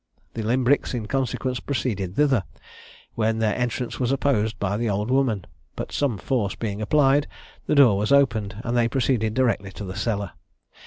The Limbricks in consequence proceeded thither, when their entrance was opposed by the old woman; but some force being applied, the door was opened, and they proceeded directly to the cellar.